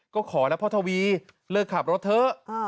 ก็ขอนะพ่อทวีเลิกขับรถเถอะ